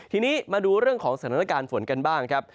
ทีนี้มาดูเรื่องของสถานการณ์ฝนกันบ้างครับ